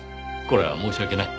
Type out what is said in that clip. これは申し訳ない。